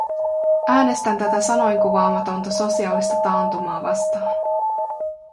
Äänestän tätä sanoinkuvaamatonta sosiaalista taantumaa vastaan.